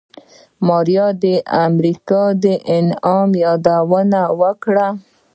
ماريا د امريکا د انعام يادونه وکړه.